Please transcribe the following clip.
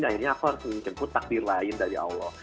akhirnya aku harus menjemput takdir lain dari allah